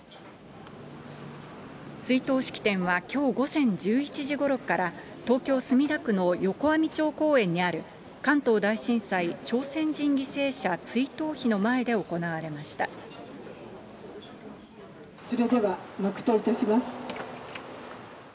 追悼式典は、きょう午前１１時ごろから、東京・墨田区のよこあみ町公園にある関東大震災朝鮮人犠牲者追悼それでは黙とういたします。